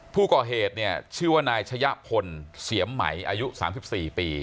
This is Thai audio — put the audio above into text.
ผู้ก่อเหตุเนี่ยชื่อว่านายชะยะพลเสียมไหมอายุ๓๔ปี